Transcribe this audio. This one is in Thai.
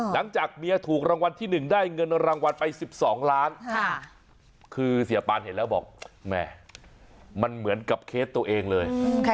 หลังจากเมียถูกรางวัลที่๑ได้เงินรางวัลไป๑๒ล้านคือเสียปานเห็นแล้วบอกแหม่มันเหมือนกับเคสตัวเองเลย